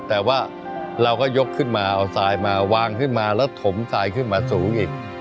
แต่ว่าเราก็ยกขึ้นมาเอาทรายมาวางขึ้นมาแล้วถมทรายขึ้นมาสูงอีก